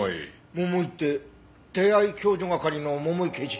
桃井って手配共助係の桃井刑事？